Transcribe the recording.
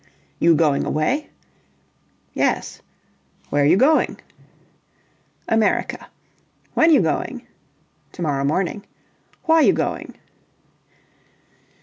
"You going away?" "Yes." "Where you going?" "America." "When you going?" "To morrow morning." "Why you going?"